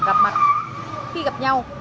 gặp mặt khi gặp nhau